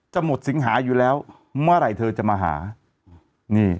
หมดสิงหาอยู่แล้วเมื่อไหร่เธอจะมาหานี่